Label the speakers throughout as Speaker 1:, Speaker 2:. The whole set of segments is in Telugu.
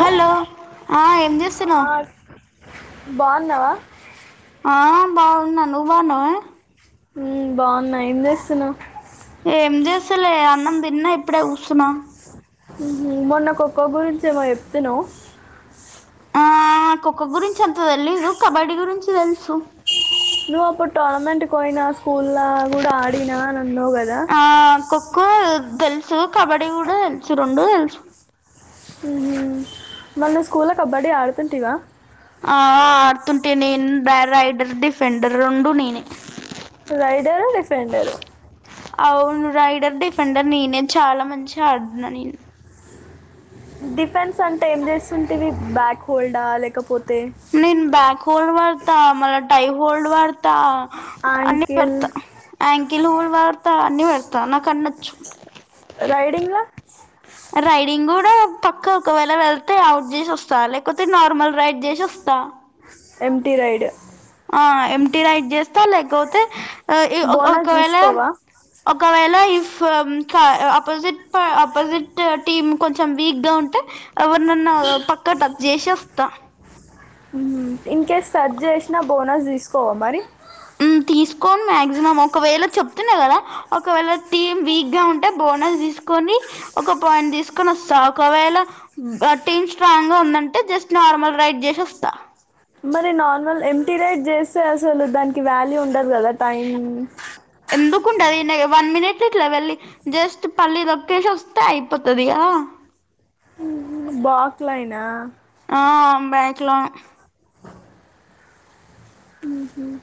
Speaker 1: హలో ఆ ఏం చేస్తున్నావ్
Speaker 2: బావున్నావా
Speaker 1: ఆ బాగున్నా నువ్ బాగున్నావా
Speaker 2: హ్మ్ బా ఏం చేస్తున్నావ్
Speaker 1: చేస్తాలే అన్నం తిన్న ఇప్పుడే కూసున్న
Speaker 2: హు హు మొన్న కొక్కో గురించి ఏమో చెప్పినవ్
Speaker 1: ఆ ఖోఖో గురించి అంత తెలిదు కబడ్డీ గురించి తెలుసు
Speaker 2: అప్పుడు టోర్నమెంట్కు వోయినా అస్స స్కూల్లా కూడా ఆడినా అని అన్నావు కదా
Speaker 1: కో తెెల్ సో కబడ్డీ కూడా తెస్తు రెండు తెస్తు
Speaker 2: మళ్ళీ స్కూల్లో కబడ్డీ ఆడుతుంటవా
Speaker 1: ఆ ఆడుతుంటే నేను రైడర్ డిఫెండర్ ఉండు నేనే
Speaker 2: రైడరు డిఫెండర్
Speaker 1: అవును రైడర్ డిఫెండర్ నేనే చాలా మంచి ఆడున నేను
Speaker 2: డిఫెన్స్ అంటే ఏం చేస్తుంటేవి బ్యాక్ హోల్డా లేకపోతే
Speaker 1: న బ్యాగ హల్ మ డత డై హోల్డ్ వాడత అన్ని
Speaker 2: యాంకిల్
Speaker 1: పెడత అంకలులు వాడుత అన్ని పెడత నకన్న చ్చు
Speaker 2: రైడింగ్ లా
Speaker 1: రైడింగ్ కూడా పక్క ఒకవేళ వెళ్తే అవుట్ చేసి వస్తా లేకపోతే నార్మల్ రైడ్ చేసి వస్తా
Speaker 2: ఎమ్టి రైడ్
Speaker 1: ఆ ఎటీ రైట్ చేస్తా లేకపోతే ఆ ఇ ఒ
Speaker 2: బోనస్
Speaker 1: ఒకవేళ
Speaker 2: తీసుకోవా
Speaker 1: ఒ ఒకవేళ ఇఫ్ అపోజిట్ అపోజిట్ టీమ్ కొంచెం వీక్ గా ఉంటే ఎవరు నన్ను పక్క పక్కా చేసేస్తా
Speaker 2: ఇంకేస్ టచ్ చేసినా బోనస్ తీసుకోవా మరి
Speaker 1: తీసుకొని మక్సిమం ఒకవేళ చెప్తున్నా కదా ఒకవేళ టీమ్ వీక్ గా ఉంటే బోనస్ తీసుకొని ఒక పాయింట్ తీసుకని వస్తా ఒకవేళ టీమ్ స్ట్రాంగ్ గా ఉందంటే జస్ట్ నార్మల్ రైడ్ చేసి వస్తా
Speaker 2: మరి నార్మల్ ఎటీరేట్ చేస్తే అసలు దానికి వ్యాల్యూ ఉ ఉండదు కదా టైమ్
Speaker 1: కుండాధు వన్ మినిట్ ఇట్లా వెళ్ళి జస్ట్ పల్లి లొకేషన్ వస్తే అయిపోతుదిగా
Speaker 2: బుక్‌లైన్‌నా
Speaker 1: ఆ బ్యాయిక్లా
Speaker 2: ఉహుమ్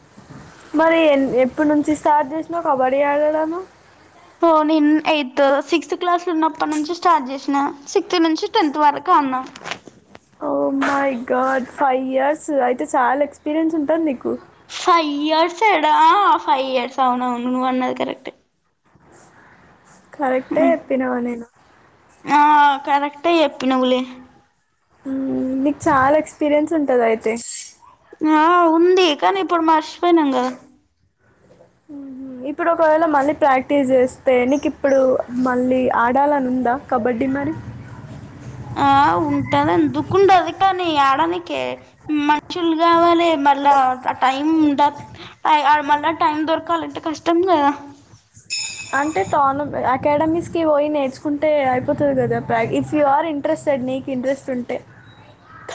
Speaker 2: మరి ఎ ఎపుడు నుంచి స్టార్ట్ చేసినా కబడ్డీ ఆడదను
Speaker 1: సో నేను ఎయిత్ సిక్స్త్ క్లాస్లో ఉన్నప్పటి నుంచి స్టార్ట్ చేసినా సిక్స్త్ నుంచి టెన్త్ వరకు అన్నా
Speaker 2: oh my god five years అయితే చాలా ఎక్స్పీరియన్స్ ఉంటుంది నీకు
Speaker 1: ఫైవ్ ఇయర్స్ ఫైవ్ ఇయర్స్ అవునువును వన్నది కరెక్ట్
Speaker 2: కరెక్టే చెప్పినావా నేను
Speaker 1: ఆ కరెక్టే చెప్పినవ్ లే
Speaker 2: నీకు చాలా ఎక్స్పీరియన్స్ ఉంటది. అయితే మ్మ్,
Speaker 1: ఆ ఉంది కానీ ఇప్పుడు మర్చిపోయినాం. కదా
Speaker 2: ఇప్పుడు ఒకవేళ మళ్ళీ ప్రాక్టీస్ చేస్తే, నీకు ఇప్పుడు మళ్ళీ ఆడాలని ఉందా కబడ్డీ మరి
Speaker 1: ఆ ఉంటది ఎందుకు ఉండదు. కానీ ఆడానికే మనుషులు కావాలి మళ్ళా ఆ టైం ఉంట మళ్ళా టైం దొరకాలంటే కష్టం. కదా
Speaker 2: అంటే తాను అకాడమిస్కి పోయి నేర్చుకుంటే అయిపోతది. కదా ప్ర ఇఫ్ యూఆర్ ఇంట్రెస్టెడ్ నీకు ఇంట్రెస్ట్ ఉంటే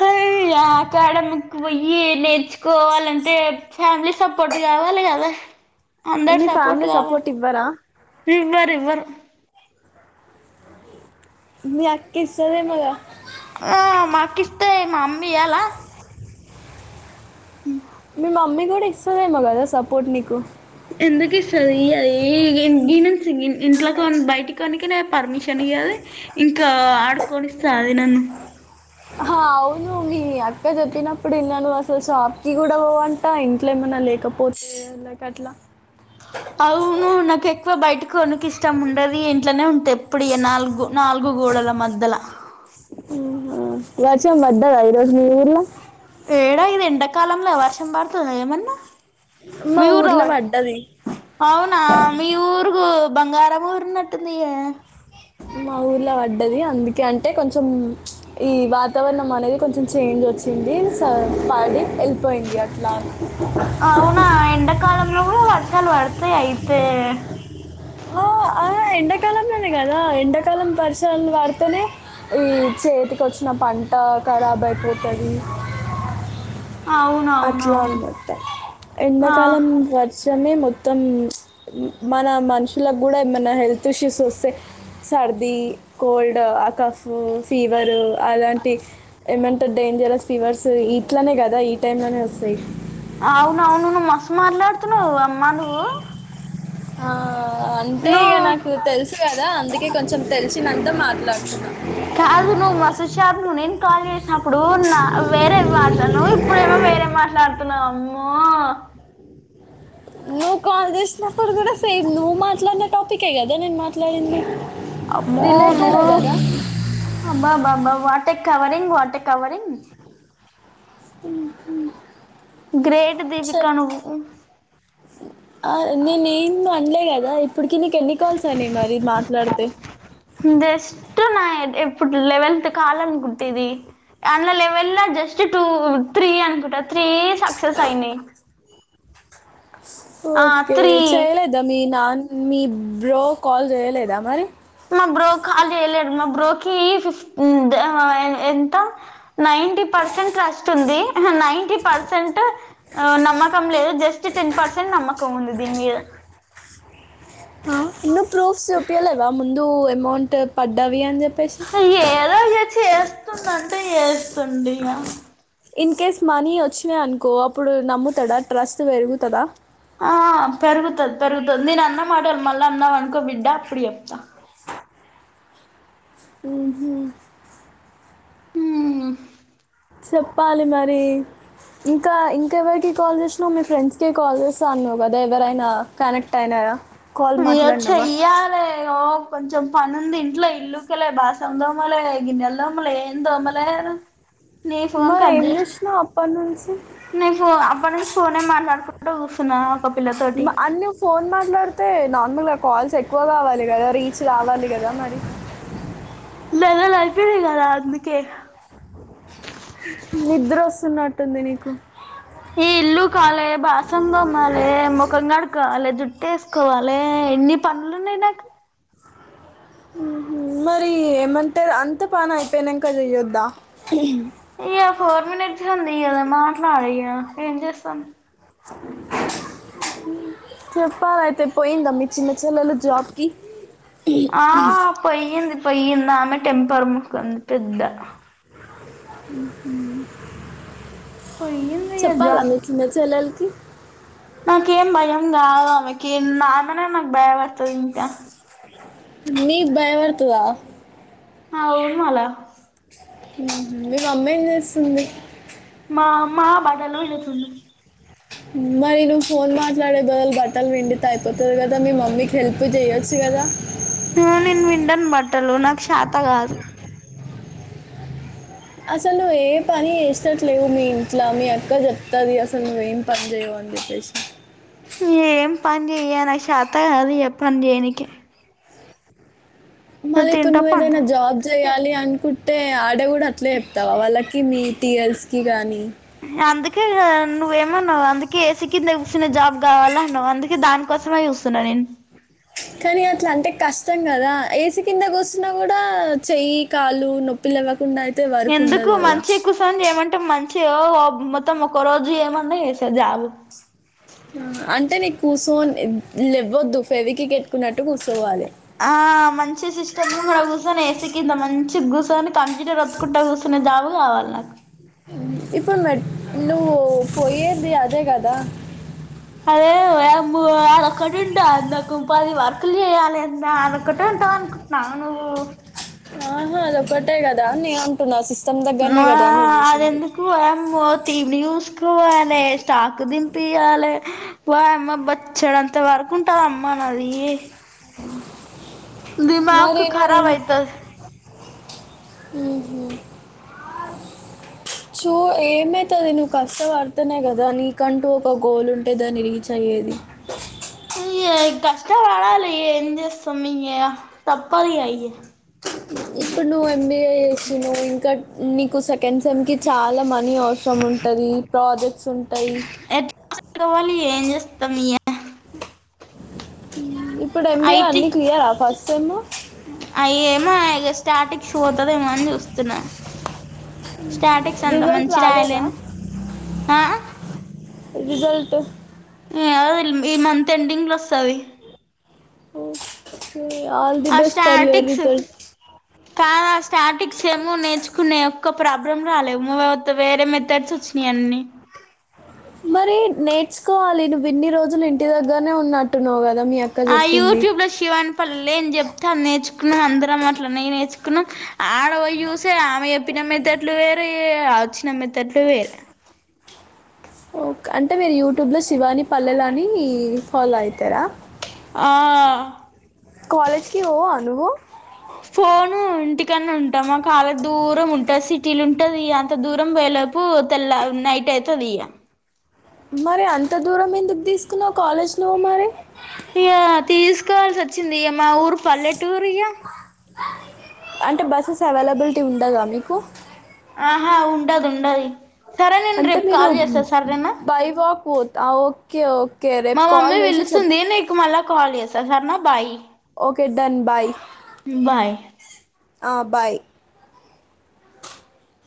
Speaker 1: అయ్య ఆకాడమీకి పోయి నేర్చుకోవాలంటే ఫ్యామిలీ సపోర్ట్ కావాలి. కదా అందరు
Speaker 2: మీ
Speaker 1: సపోర్ట్
Speaker 2: ఫ్యామిలీ
Speaker 1: కావాలి.
Speaker 2: ఇవ్వరా
Speaker 1: ఎవ్వరు ఇవ్వరు. ఇవ్వరు
Speaker 2: మీ అక్క ఇస్తాది. కదా
Speaker 1: ఆ మాకు ఇస్తాది. మా అమ్మీ ఇయ్యాల హ్మ్
Speaker 2: మీ మమ్మీ కూడా ఇస్తదేమో కదా సపోర్ట్ నీకు
Speaker 1: ఎందుకు ఇస్తది. అది ఇంట్లో బయటికోనికి పర్మిషన్ ఇయ్యదు. ఇంకా ఆడుకొనిస్తాది. నన్ను
Speaker 2: ఆ అవును మీ అక్క చెప్పినప్పుడు ఇనాను. అసలు షాప్ కి కూడా పోవంట, ఇంట్లో ఏమన్నా లేకపోతే ఎందుకు అట్లా
Speaker 1: అవును నాక్ ఎక్కువ బయట కొనికి ఇష్టం ఉండది. ఇంట్లనే ఉంట ఎప్పుడు ఇగా నాలుగు గో నాలుగు గోడల మద్యాల
Speaker 2: వర్షం పడ్డదా ఈరోజు మీ ఊర్లా
Speaker 1: ఎడా ఇది ఎండాకాలంలో వర్షం పడతాందా ఏమన్నా
Speaker 2: మా
Speaker 1: మీ ఊర్లో పడ్తదా
Speaker 2: పడ్డది
Speaker 1: అవునా మీ ఊర్గు బంగారం ఊరున్నట్టుంది. కదా
Speaker 2: మా ఊర్లో పడ్డది. అందుకంటే కొంచెం ఈ వాతావరణం అనేది కొంచెం చేంజ్ వచ్చింది. సో మాది
Speaker 1: అవునా ఎండాకాలంలో కూడా వర్షాలు పడుతా అయితే
Speaker 2: ఓ ఆయ్ ఎండకాలంలోనే కదా ఎండాకి కాలం పరిసరలు వాడితేనే ఈ చేతికి వచ్చిన పంట ఖారాబ్ అయిపోతది. అట్లా
Speaker 1: అవునవునవును
Speaker 2: ఉన్నంటయి
Speaker 1: ఆ
Speaker 2: ఎండాకాలం వర్ష సమయం మొత్తం మన మనుషులకు కూడా ఏమన్నా హెల్త్ ఇష్యూస్ వస్తే సర్దిీ, కోల్డ్ ఆ కాఫ్, ఫీవరు అలాంటి ఏమంటే డేంజరస్ ఫీవర్స్ ఇట్లనే కదా ఏమయినా వస్తాయ్
Speaker 1: అవునవును మస్తూ మాట్లాడుతున్నావు్ అమ్మా నువ్వు
Speaker 2: ఆ అంటే
Speaker 1: నువ్వు
Speaker 2: ఇగా నాకు తెలుసు కదా అందుకే కొంచెం తెలిసినంత మాట్లాడత్ అ
Speaker 1: కాదు నువ్వు మస్తూ వుషార్ నువ్వు నేన్ కాల్ చేసినప్పుడు నా వేరే మాట్లాడు నువ్ ఇప్పుడేమో వేరే మాట్లాడుతున్నావుమ్ ఆమ్మో
Speaker 2: నువ్వు కాల్ చేసినప్పుడు కూడా సేమ్ నువ్వు మాట్లాడిన టాపిక్ కే కదా నేను మాట్లాడింది.
Speaker 1: అమ్మో నువ్
Speaker 2: రిలేటెడే కదా
Speaker 1: అబ్బాబాబ్బా వా ఎకవరింగ్ వాట్ ఎ కవరింగ్.
Speaker 2: ఉ హు
Speaker 1: గ్రేట్ దీపిక
Speaker 2: చెప్
Speaker 1: నువ్వు
Speaker 2: ఆ నేనెం అనలేకదా లైఫ్ ఇప్పుడుకి నీకెన్ని కాల్స్ అయినయి మరి మాట్లాడితే.
Speaker 1: ట్ నాయి ఇప్పుడు లెవెల్త్ కాల్ అనుకుంట ఇది అందులో లెవెల్ ల జస్ట్ టూ త్రీ అనుకుంట. త్రీయే సక్సెస్ అయినయి. ఆ
Speaker 2: ఓకే
Speaker 1: త్రీ
Speaker 2: చేయలేదా మీ నా మీ బ్రో కాల్ చేయలేదా మరి
Speaker 1: మా బ్రోక్ కాల్ చేయలేదు మా బ్రోకి ఫిఫ్త్ ద ఆ ఎంత నైటీ పర్సెంట్ ట్రస్ట్ ఉంది. నైటీ పర్సెంట్ నమ్మకం లేదు జస్ట్ టెన్ పర్సెంట్ నమ్మకం ఉంది దీని మీద.
Speaker 2: మౌంట్ పడ్డవి అని చెప్పేసి
Speaker 1: ఏదో ఇగ చేస్తుండంటే చేస్ స్తుండు ఇగా
Speaker 2: ఇన్ కేస్ మనీ వచ్చినయి అనుకో అప్పుడు నమ్ముతడా ట్రస్ట్ పెరుగుతదా.
Speaker 1: ఆ పెరుగుతది పెరుగుతది నేను అన్నమాటలు మళ్ళా అన్నావ్ అనుకో బిడ్డ అప్పుడు చేప్తా.
Speaker 2: ఊహూ
Speaker 1: ఉహ్
Speaker 2: చెప్పాలి మరి ఇంకా ఇంకెవరికి కాల్ చేసినవ్ మీ ఫ్రెండ్స్ కి కాల్ చేస్తా అన్నావ్ గదా ఎవరైనా కనెక్ట్ అయినారా. కాల్
Speaker 1: అయ్యో
Speaker 2: మాట్లాడినావా
Speaker 1: చెయ్యాలే ఓ కొంచెం పను ఉంది, ఇంట్లో ఇల్లుక్కలే బాసం దోమలే, గిన్నెలు దోమలే ఏం దోమలేదు.
Speaker 2: మరి ఏం చేసినవు అప్పటి నుంచి
Speaker 1: ని ఫో ఫోన్ అప్పుట నుంచి ఫోనేమట్లాడుకుంట కూసున్న
Speaker 2: ఉమ్ అన్ని ఫోన్ మాట్లాడితే న నార్మల్ గా కాల్స్ ఎక్కువ కావాలి కదా రీచ్ రావాలి కదా మరి.
Speaker 1: నాయి రెండు అయిపోయినయి కదా అందుకే
Speaker 2: నిద్ర వస్తున్నట్టుంది నీకు.
Speaker 1: ఈ ఇల్లు కాలే, బాసల్లు తోమాలే, మొఖం కడుక్కోవాలే జు ట్టేసుకోవాలే ఎన్ని పనులున్నాయి నాకు.
Speaker 2: హుహ్ మరి ఏమంటరు అంత పని అయిపోయినాంక చెయొద్దా.
Speaker 1: ఇయ్యా ఫోర్ మినిట్స్ ఉంది కదా మాట్లాడు ఇ యా ఏం చేస్తాం.
Speaker 2: చెప్పాలయితే పోయింద మీ చిన్న చెల్లలు జాబ్కి
Speaker 1: ఆ పోయింది ఇప్ పోయ్యింది ఆమె టెంపర్ మొకంది పెద్ద
Speaker 2: హుహ్
Speaker 1: పొయ్యింది ఇగ
Speaker 2: చెప్పాలా మీచిన్న చెల్లెలికి
Speaker 1: జాబ్కి నాకేం భయం కాదు ఆమెకి నాఆమెనే నాకు భయపడుతది ఇంకా.
Speaker 2: నీకు భయ పడతదా
Speaker 1: అవును మల్ల
Speaker 2: మీ మమ్మీ ఏం చేస్తుంది
Speaker 1: మా అమ్మ బట్టలు పిండుతుంది
Speaker 2: మరి నువ్వు ఫోన్ మాట్లాడే బదలు బట్టలు విండితే అయిపోతుంది కదా మీ మమ్మీకి హెల్ప్ చేయొచ్చు కదా
Speaker 1: ఆ నేను పిండను బట్టలు నాకు శాత కాదు
Speaker 2: అసలు నువ్వ ఏ పని చేసట్లేవు మీ ఇంట్లో మీ అక్క చెప్తది అసలు నువ్వు ఏం పని చేయవు అని చెప్పేసి
Speaker 1: ఏం పని చెయ శత కాదు ఇగ చేయనికి ఇగ
Speaker 2: మళ్లీ ఇప్పుడు
Speaker 1: తింటా పంట
Speaker 2: నువ్వేదైనా జాబ్ చేయ్యాలి ఆ కుట్టే ఆడగు అట్లే చెప్తావా వాళ్ళకి మీటిఎల్స్ కి గానీ
Speaker 1: అందుకే నువ్వేమోన్నావ్ అందుకే ఎసి కింద కుసునే జాబ్ కావాల అన్నావు అందుకే దానికోసమే చూస్ సున్నాడిన్
Speaker 2: కానీ అట్లా అంటే కష్టం కదా ఏసి కింద కూసున్న కూడా చెయ్యి కాలు నొప్పిలు లె వ్వకుండా
Speaker 1: ఎందుకు మంచి కూసోని చేయమంటే మంచి అయ్యో మొత్తం ఒక రోజు ఏమన్నా చేశా జాబ్
Speaker 2: అంటే నీకు కూసోని లేవ్వద్దు ఫెవికిక్ ఎట్టుకున్నట్టు కూసో
Speaker 1: ఆ మంచి సిస్టమ్ ముంగడ కుర్సోని ఎసి కింద మంచి మంచిగా గుసోని కంప్యూటర్ ఒత్తుకునే జాబ్ కావాలి నాకు
Speaker 2: ఇప్పుడు మెట్ నువ్వు పోయేది అదే గదా
Speaker 1: అదే వామ్మోఅదోక్కటి ఉంటా అందకు పది వర్కులు చేయాలి అంత అదోకటి ఉంటావు అనుకుంటున్నావ నువ్వు
Speaker 2: ఆహా అదొక్కటే కదా నేను అంటున్న సిస్
Speaker 1: ఆ అది
Speaker 2: కూర్చుంది
Speaker 1: ఎందుకు ఐ యమో టీవీ న్యూస్ కోవాలి స్టాకు దింపియాలి వా అమ్మ బచ్చడంత వర్క్ ఉంటది అమ్మా నాది దిమాక్ ఖరాబ్ అయితది
Speaker 2: హ్మ్ హు చూ ఏమైతుంది నువ్వు కష్టపడుతేనె కదా నీకంటూ ఒక గోల్ ఉంటే దాన్ని రీచ్ అయ్యేది
Speaker 1: కష్టం పడాలయ ఎమ్ చేస్తాం ఎం తప్పాద్ ఇగా
Speaker 2: ఇప్పుడు నువ్ ఎంబీఏ చేస్తున్నావ్ ఇంకా నికుశ కన్సంకి చాలా మనీ అవసరం ఉంటది ప్రాజెక్ట్స్ ఉంటాయి
Speaker 1: ఎం చేస్తాం ఇగ
Speaker 2: అ ఇప్పుడు ఎంబీఏ
Speaker 1: ఐటి
Speaker 2: అన్నీ క్లియరా ఫస్ట్ సెమ్ము
Speaker 1: స్టార్టింగ్ షూ పోతుంది ఏమో అని చూస్తున్న స్టార్టిక్స్ అంతా
Speaker 2: రిజల్ట్
Speaker 1: మంచి
Speaker 2: రాలేదా
Speaker 1: రాయలేము ఆ
Speaker 2: రిజల్ట్
Speaker 1: [unintelligible] ఈ మంత్ ఎండింగ్ లో వస్తది
Speaker 2: ఉమ్ ఏ all the best for your రిథల్స్
Speaker 1: commerce statics ఏమో నేర్చుకునే ఒక ప్రాబ్లం రాలేవు మాత్ వేరే మెథడ్స్ వచ్చినయ్ అన్ని
Speaker 2: మరి నేర్చుకోవాలి నువ్వు ఇన్ని రోజులు ఇంటి దగ్గరనే ఉన్నట్టున్నావు కథ్
Speaker 1: ఆ యూట్యూబ్ లో శివాని పల్లె అని చెప్తే నేర్చ్ మనం అందరం అట్లనే నేర్చుకున్నాం. ఆడ పోయి చూసే ఆమె చెప్పిన మెత్ తట్లు వేరే ఆ వచ్చిన మెథడ్లు వేరే
Speaker 2: ఓకే అంటే మీరు యూట్యూబ్లో శివాని పల్లెలు అని ఫాలో అయితర?
Speaker 1: ఆ
Speaker 2: కాలేజీకి పోవా నువ్వు
Speaker 1: ఉమ్ ఇంటికన్నా ఉంటా కాలేజ్ దూరం ఉంటుంది. సిటీలు ఉంటది అంత దూరం పోయేలోపు తెల్ల నైట్ అవుతుంది ఇగా
Speaker 2: మరి అంత దూరం ఎందుకు తీసుకున్నావు కాలేజ్ నువ్వు మరి
Speaker 1: తీయ తీసుకోవాల్సి వాచ్ చింది మా ఊరు పల్లెటూరిగా
Speaker 2: అంటే బస్సెస్ అవైలబిలిటీ ఉండయ మీకు
Speaker 1: ఆహా ఉండదు ఉండది సరే నేను
Speaker 2: అంటే
Speaker 1: రేపు
Speaker 2: మీరు
Speaker 1: కాల్ చేస్తా సరేనా
Speaker 2: బై వాక్ పోత ఓకే ఓకే
Speaker 1: మా
Speaker 2: రేపు కాల్
Speaker 1: మమ్మీ
Speaker 2: చేసి చెప్
Speaker 1: కాల్ చేస్తా సరేనా bye
Speaker 2: okay done bye
Speaker 1: bye
Speaker 2: ఆ బాయ్